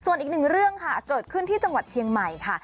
ส่วนอีกหนึ่งเรื่องค่ะเกิดขึ้นที่จังหวัดเชียงใหม่ค่ะ